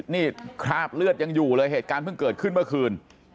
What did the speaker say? นี่คราบเลือดยังอยู่เลยเหตุการณ์เพิ่งเกิดขึ้นเมื่อคืน